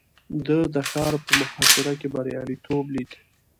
ده د ښار په محاصره کې برياليتوب ليد.